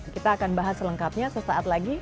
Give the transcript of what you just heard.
kita akan bahas selengkapnya sesaat lagi